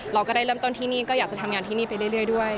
เราก็ได้เริ่มต้นที่นี่ก็อยากจะทำงานที่นี่ไปเรื่อยด้วย